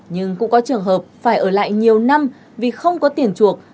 nhưng cũng có trường hợp phải ở lại nhiều năm vì không có tiền chuộc